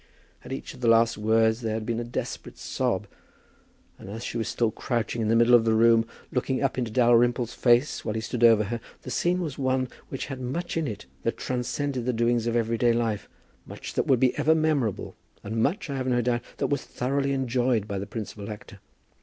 At each of the last words there had been a desperate sob; and as she was still crouching in the middle of the room, looking up into Dalrymple's face while he stood over her, the scene was one which had much in it that transcended the doings of everyday life, much that would be ever memorable, and much, I have no doubt, that was thoroughly enjoyed by the principal actor.